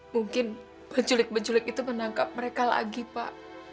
mungkin penjulik penjulik itu menangkap mereka lagi pak